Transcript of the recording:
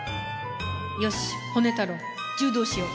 よしホネ太郎柔道しよう。